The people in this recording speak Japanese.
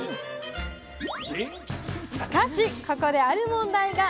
しかしここである問題が。